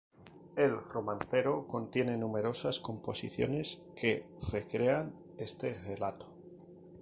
El romancero contiene numerosas composiciones que recrean este relato.